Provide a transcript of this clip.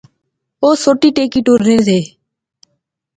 اوہ سوٹی ٹیکی ٹُرنے سے